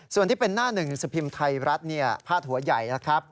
ส่วนที่เป็นหน้าหนึ่งสภิมธ์ไทยรัฐเนี่ยภาษาหัวใหญ่นะครับ